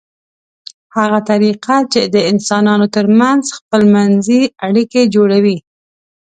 هغه طریقه چې د انسانانو ترمنځ خپلمنځي اړیکې جوړوي